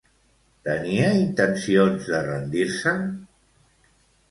Tenia intencions de rendir-se?